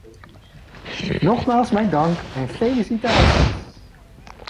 Nogmaals mijn dank en felicitaties.